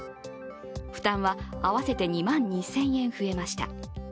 負担は合わせて２万２０００円増えました。